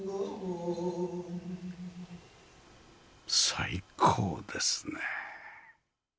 最高ですね。